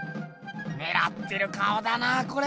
ねらってる顔だなこれ。